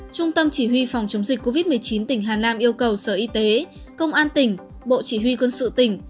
trung tâm chỉ huy phòng chống dịch covid một mươi chín tỉnh hà nam yêu cầu sở y tế công an tỉnh bộ chỉ huy quân sự tỉnh